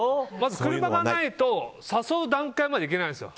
車がないと誘う段階までいけないんですよ。